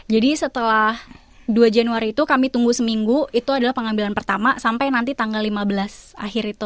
jadi setelah dua januari itu kami tunggu seminggu itu adalah pengambilan pertama sampai nanti tanggal lima belas akhir itu